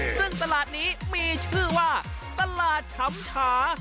ซึ่งตลาดนี้มีชื่อว่าตลาดชำฉา